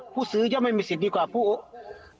ผู้ซื้อย่อมไม่มีสิทธิ์ดีกว่าผู้โอ